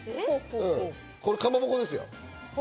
かまぼこですよ。